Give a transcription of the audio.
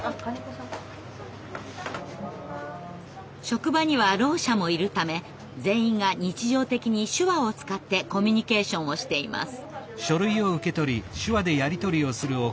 職場にはろう者もいるため全員が日常的に手話を使ってコミュニケーションをしています。